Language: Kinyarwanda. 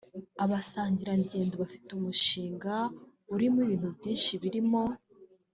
Abasangirangendo bafite umushinga urimo ibintu byinshi birimo